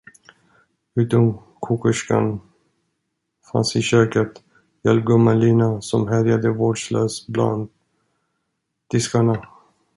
Utom kokerskan fanns i köket hjälpgumman Lina, som härjade vårdslöst bland diskarna.